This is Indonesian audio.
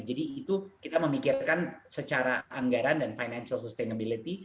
jadi itu kita memikirkan secara anggaran dan financial sustainability